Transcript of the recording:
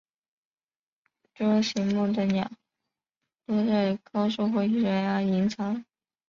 隼形目的鸟多在高树或悬崖上营巢。